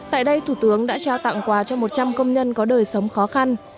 tại đây thủ tướng đã trao tặng quà cho một trăm linh công nhân có đời sống khó khăn